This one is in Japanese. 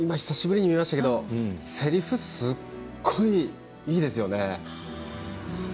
久しぶりに見ましたけれどもせりふ、すごくいいですよね。